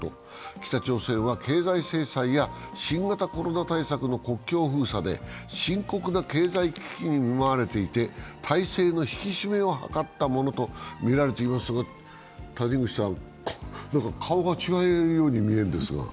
北朝鮮は、経済制裁や新型コロナ対策の国境封鎖で深刻な経済危機に見舞われていて、体制の引き締めを図ったものとみられていますが、なんか顔が違うように見えるんですが？